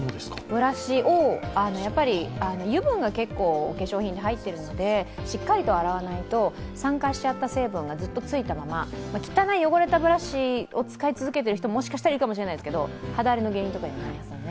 ブラシを油分が化粧品は入ってるので、しっかりと洗わないと酸化しちゃった成分がずっとついたまま、汚いブラシを使い続けてる人ももしかしたらいるかもしれないですけど、肌荒れの原因になるかもしれないですね。